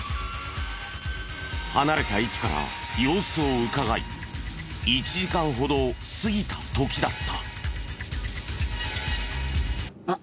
離れた位置から様子をうかがい１時間ほど過ぎた時だった。